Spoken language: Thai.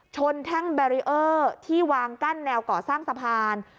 แท่งแบรีเออร์ที่วางกั้นแนวก่อสร้างสะพาน